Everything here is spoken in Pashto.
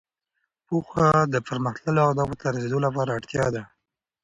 پوهه د پرمختللو اهدافو ته رسېدو لپاره اړتیا ده.